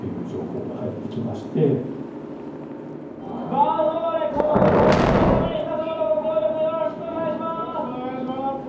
ヴァンフォーレ甲府存続のために皆様のご協力よろしくお願いします！